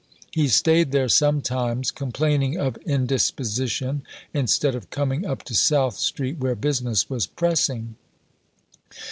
He stayed there sometimes, complaining of indisposition, instead of coming up to South Street where business was pressing.